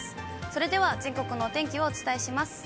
それでは全国のお天気をお伝えします。